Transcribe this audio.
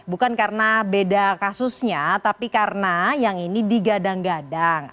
bukan karena beda kasusnya tapi karena yang ini digadang gadang